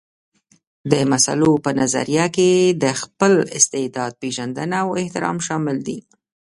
د مسلو په نظريه کې د خپل استعداد پېژندنه او احترام شامل دي.